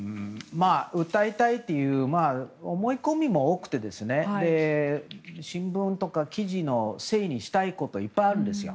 訴えたいという思い込みも多くて新聞とか記事のせいにしたいこといっぱいあるんです。